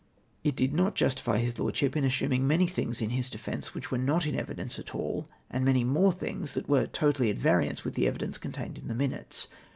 It did not justify his Lordship in assuming many things in his defence, Avhich Avere not in evidence at all, and many more things that were totally at variance with the evidence contained in the minutes.